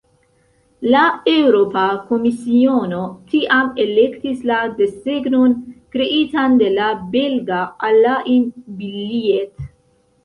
La Eŭropa Komisiono tiam elektis la desegnon kreitan de la belga Alain Billiet.